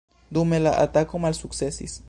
Dume, la atako malsukcesis.